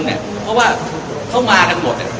เพราะว่าเขามากันหมด